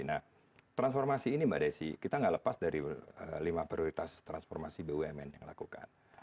nah transformasi ini mbak desi kita nggak lepas dari lima prioritas transformasi bumn yang lakukan